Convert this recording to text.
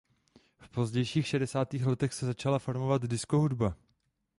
V pozdějších šedesátých letech se začala formovat disco hudba.